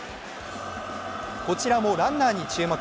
こちらもランナーに注目